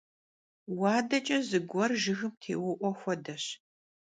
Vuadeç'e zıguer jjıgım têu'ue xuedeş.